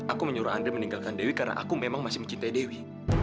aku menyuruh anda meninggalkan dewi karena aku memang masih mencintai dewi